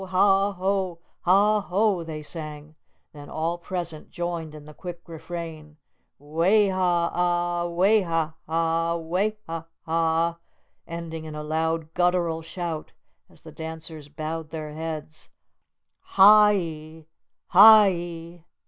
Ha ho! Ha ho!" they sang; then all present joined in the quick refrain, "Way ha ah! Way ha ah! Way ha ah!" ending in a loud, guttural shout, as the dancers bowed their heads, "Ha i! Ha i!"